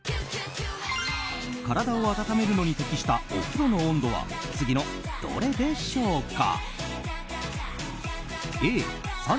体を温めるのに適したお風呂の温度は次のどれでしょうか。